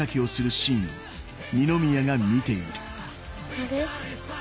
あれ？